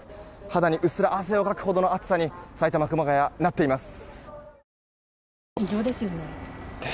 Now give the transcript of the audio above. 肌にうっすら汗をかくほどの暑さに埼玉・熊谷、なっています。